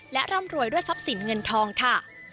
และร่ำรวยด้วยทรัพย์สินเงินทองค่ะ